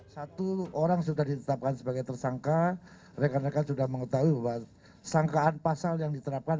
satu orang sudah ditetapkan sebagai tersangka rekan rekan sudah mengetahui bahwa sangkaan pasal yang diterapkan